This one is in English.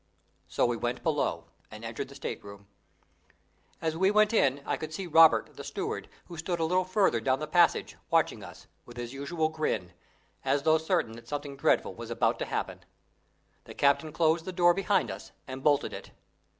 So we went below, and entered the state room. As we went in I could see Robert the steward, who stood a little further down the passage, watching us, with his usual grin, as though certain that something dreadful was about to happen. The captain closed the door behind us and bolted it.